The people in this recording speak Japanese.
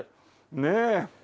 ねえ。